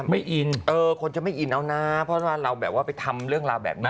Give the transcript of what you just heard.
ไม่อินเออคนจะไม่อินเอานะเพราะว่าเราแบบว่าไปทำเรื่องราวแบบนี้